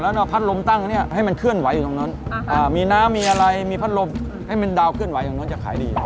แล้วเราพัดลมตั้งเนี่ยให้มันเคลื่อนไหวอยู่ตรงนั้นมีน้ำมีอะไรมีพัดลมให้มันดาวเคลื่อนไหวอย่างนู้นจะขายดี